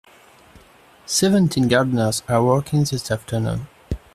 Seventeen gardeners are working this afternoon.